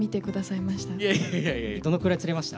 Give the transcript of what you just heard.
どのくらい釣れました？